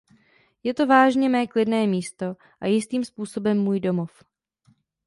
Je to vážně mé klidné místo a jistým způsobem můj domov.